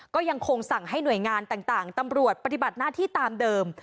ก็ยังคงสั่งให้หน่วยงานต่างตำรวจปฏิบัติหน้าที่ตามเดิม